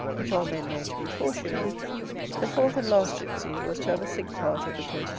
which all men know to be 4s. The fourth and last gypsy was to have a sixth part of the 20s.